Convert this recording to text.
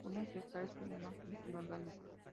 Una Gestalt es una función orgánica.